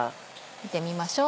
見てみましょう。